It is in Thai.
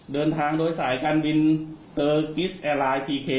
เดินทางโดยสายการบินเกอร์กิสแอร์ไลน์ทีเค